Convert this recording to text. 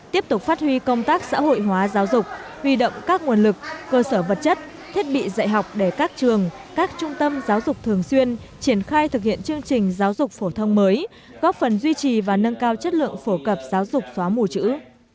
tiếp tục phát huy công tác xã hội hóa giáo dục huy động các nguồn lực cơ sở vật chất thiết bị dạy học để các trường các trung tâm giáo dục thường xuyên triển khai thực hiện chương trình giáo dục phổ thông mới góp phần duy trì và nâng cao chất lượng phổ cập giáo dục xóa mù chữ